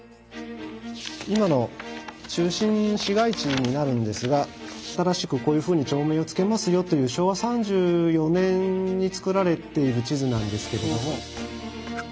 今の中心市街地になるんですが新しくこういうふうに町名を付けますよという昭和３４年に作られている地図なんですけれども。